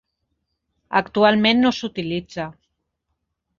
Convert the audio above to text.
Actualment no s'utilitza.